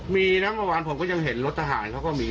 มีนะเมื่อวานผมก็ยังเห็นรถทหารเขาก็มี